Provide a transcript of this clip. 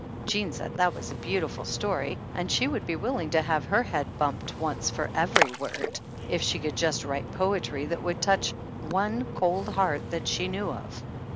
Jean said that was a beautiful story and she would be willing to have her head bumped once for every word, if she could just write poetry that would touch one cold heart that she knew of.